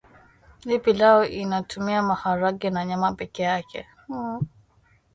Hii pilau inatumia maharage na nyama peke yake